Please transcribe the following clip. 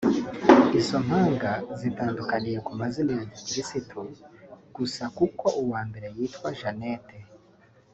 Izo mpanga zitandukaniye ku mazina ya gikristu gusa kuko uwa mbere yitwa Jeanette